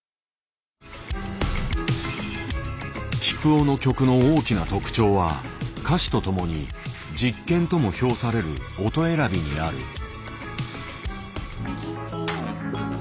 きくおの曲の大きな特徴は歌詞と共に実験とも評される音選びにある。